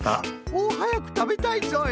おっはやくたべたいぞい。